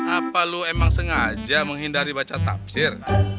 apa lu emang sengaja menghindari baca tafsir